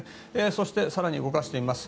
そして更に動かしてみます。